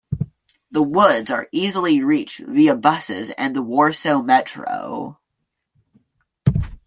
The Woods are easily reached via buses and the Warsaw Metro.